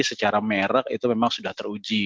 secara merek itu memang sudah teruji